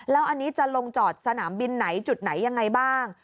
แล้วอันนี้จะลงจอดสนามบินไหนจุดไหนยังไงบ้าง